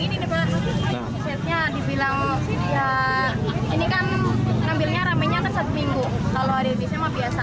gini diperhatikan di bilang ya ini kan ambilnya rame nyata satu minggu kalau ada bisa mah biasa